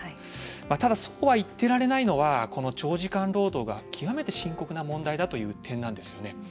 ただ、そうは言ってられないのは長時間労働が極めて深刻な問題だという点なんですよね。